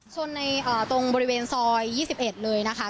ชนในตรงบริเวณซอย๒๑เลยนะคะ